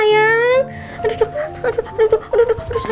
iya dari mobil